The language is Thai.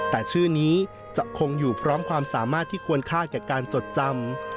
แต่ชื่อนี้จะคงอยู่พร้อมความสามารถที่ควรค่าแก่การจดจำ